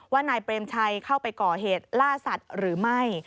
นายเปรมชัยเข้าไปก่อเหตุล่าสัตว์หรือไม่